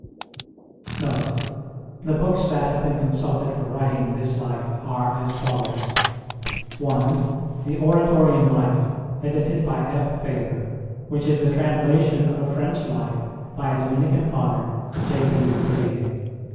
NOTE. ftHE books that have been consulted for writing this Life are as follows : (i) The Oratorian Life, edited by F. Faber, which is the translation of a French Life by a Dominican Father, J. B. Feuillet.